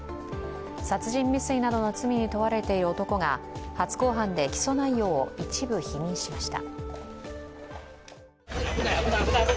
殺人未遂などの罪に問われている男が初公判で起訴内容を一部否認しました。